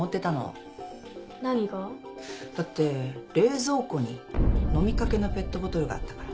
何が？だって冷蔵庫に飲みかけのペットボトルがあったから。